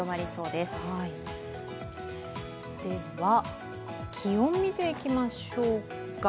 では気温、見ていきましょうか。